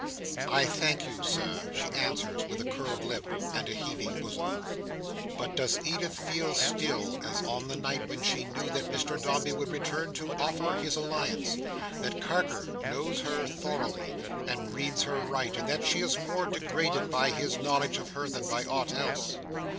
"I thank you, Sir," she answers, with a curled lip, and a heaving bosom. But, does Edith feel still, as on the night when she knew that Mr Dombey would return to offer his alliance, that Carker knows her thoroughly, and reads her right, and that she is more degraded by his knowledge of her, than by aught else?